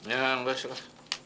ya mbak syukur